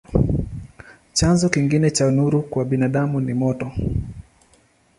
Chanzo kingine cha nuru kwa binadamu ni moto.